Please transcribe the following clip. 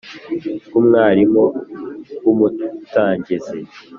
Rw umwarimu w umutangizi